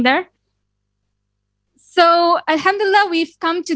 dan saya yakin kalian semua menikmati